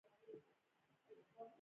بله مهمه خبره دا ده چې